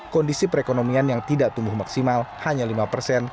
kondisi perekonomian yang tidak tumbuh maksimal hanya lima persen